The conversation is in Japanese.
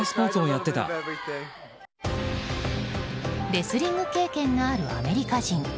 レスリング経験があるアメリカ人。